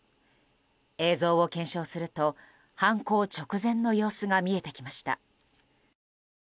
映像を検証すると犯行直前の様子が見えてきました。